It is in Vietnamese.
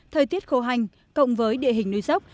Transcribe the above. thời tiết khô hành cộng với địa hình núi dốc